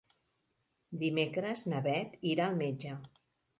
Dimecres na Beth irà al metge.